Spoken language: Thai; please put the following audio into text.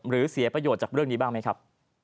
เสียประโยชน์จากเรื่องนี้บ้างไหมครับ